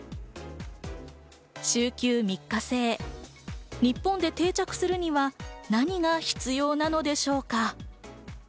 週休３日制、日本に定着するには何が必要なのでしょうか。